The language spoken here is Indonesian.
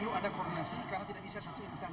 perlu ada koordinasi karena tidak bisa satu instansi